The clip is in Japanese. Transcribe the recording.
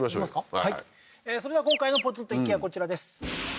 はいそれでは今回のポツンと一軒家こちらです